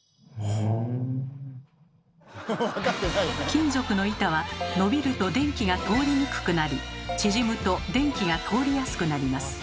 金属の板は伸びると電気が通りにくくなり縮むと電気が通りやすくなります。